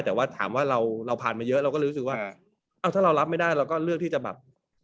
แต่ว่าถามว่าเราผ่านมาเยอะเราก็เลยรู้สึกว่าถ้าเรารับไม่ได้เราก็เลือกที่จะแบบ